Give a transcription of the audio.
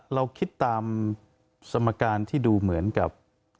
เราคิดตามสมการที่ดูเหมือนกับ